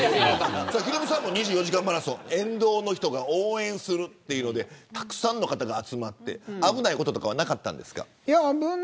ヒロミさん、２４時間マラソン沿道の人が応援するというのでたくさんの方が集まって危ないこととかなかったですか。